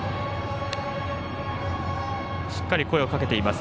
しっかり声をかけています。